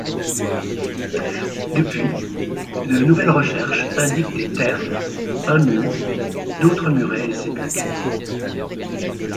Depuis, de nouvelles recherches indiquent des thermes, un mur, d'autres murets et sépultures.